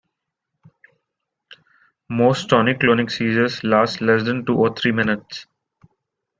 Most tonic-clonic seizures last less than two or three minutes.